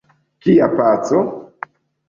Kia paco?